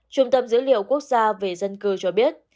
trung tâm dữ liệu quốc gia về dân cư cho biết